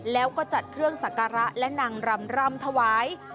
แล้วก็จัดเครื่องสักการะและนางรำรำถวาย